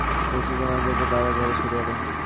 রুমী সুমীও ঘুম ভেঙে বাবার ঘরে ছুটে এল।